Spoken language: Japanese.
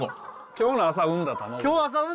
今日の朝産んだ！